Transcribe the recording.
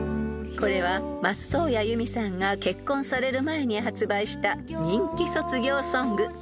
［これは松任谷由実さんが結婚される前に発売した人気卒業ソング］